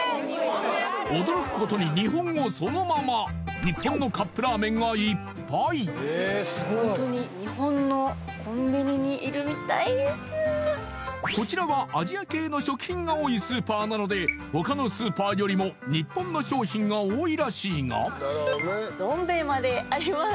驚くことに日本語そのままこちらはアジア系の食品が多いスーパーなので他のスーパーよりも日本の商品が多いらしいがどん兵衛まであります